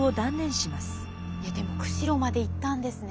でも釧路まで行ったんですね。